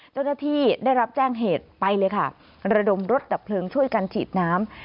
เจ้าหน้าที่ได้รับแจ้งเหตุไปเลยค่ะระดมรถดับเพลิงช่วยกันฉีดน้ำ